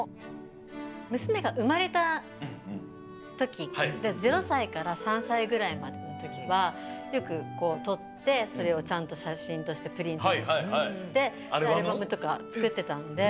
むすめがうまれたとき０さいから３さいぐらいまでのときはよくとってそれをちゃんとしゃしんとしてプリントアウトしてアルバムとかつくってたんで。